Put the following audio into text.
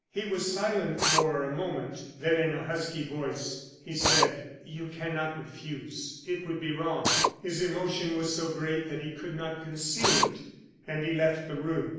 He was silent for a moment, then, in a husky voice, he said: "You cannot refuse; it would be wrong." His emotion was so great that he could not conceal it, and he left the room.